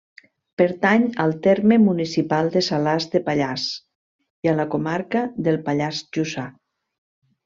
Pertany al terme municipal de Salàs de Pallars, i a la comarca del Pallars Jussà.